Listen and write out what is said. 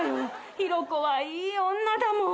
ヒロコはいい女だもん。